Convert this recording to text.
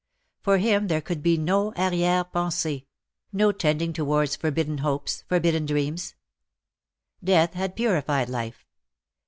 For him there could be no arriere pensee — no tending towards forbidden hopes, forbidden dreams. Death had purified life.